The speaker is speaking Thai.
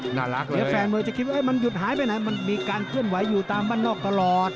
หน่ารักเลยเนี้ยแฟงมือจะคิดว่าเอ๊ะมันหยุดหายไปไหนมันมีการเทื่องไหวพลาดอยู่ตามบ้านนอกตลอด